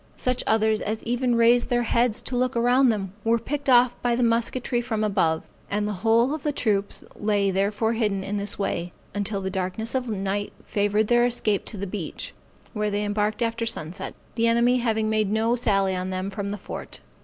Such others as even raised their heads to look around them, were picked off by the musketry from above; and the whole of the troops lay therefore hidden in this way, until the darkness of the night favored their escape to the beach, where they embarked after sunset, the enemy having made no sally on them from the fort.